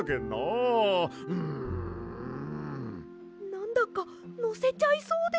なんだかのせちゃいそうです。